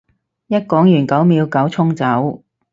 一講完九秒九衝走